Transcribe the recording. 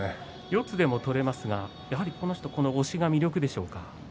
四つでも取れますがやはりこの人、押しが魅力でしょうか。